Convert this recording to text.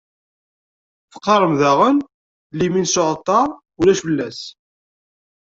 Teqqarem daɣen: Limin s uɛalṭar, ulac fell-as.